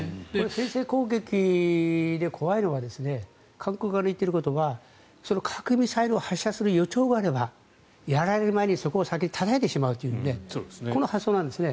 先制攻撃で怖いのは韓国側の言っていることが核ミサイルを発射する予兆があればやられる前にそこを先にたたいてしまえというこの発想なんです。